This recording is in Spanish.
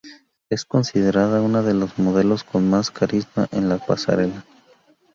Es considerada una de las modelos con más carisma en la pasarela.